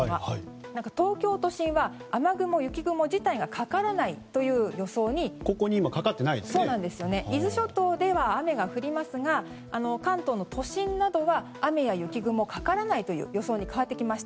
東京都心は雨雲、雪雲自体がかからない予想で伊豆諸島では雨が降りますが関東の都心などは雨や雪雲がかからないという予想に変わってきました。